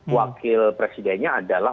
wakil presidennya adalah